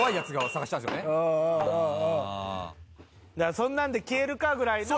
「そんなんで消えるか！ぐらいの」